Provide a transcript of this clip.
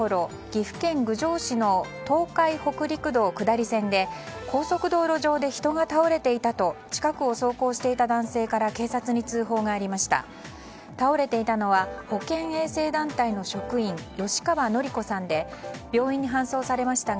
岐阜県郡上市の東海・北陸道下り線で高速道路上で人が倒れていたと近くを走行していた男性から警察に通報がありました。